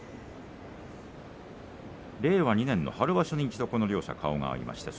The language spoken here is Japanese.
令和２年の春場所に一度、この両者顔が合いました。